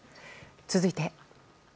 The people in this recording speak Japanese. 続いて。